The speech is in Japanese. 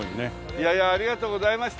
いやいやありがとうございました